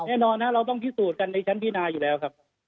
แน่นอนนะเราต้องพิสูจน์กันในชั้นพินาอยู่แล้วครับ